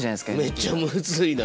めちゃむずいな。